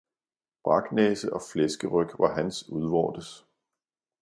Braknæse og flæskeryg var hans udvortes.